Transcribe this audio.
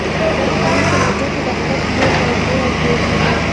نن علي په لانجه کې د احمد په لوري انډی انډی کېدا.